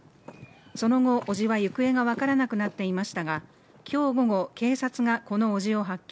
その後、伯父は行方が分からなくなっていましたが、今日午後、警察がこの伯父を発見。